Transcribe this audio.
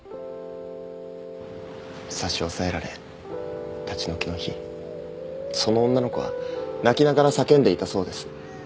差し押さえられ立ち退きの日その女の子は泣きながら叫んでいたそうです。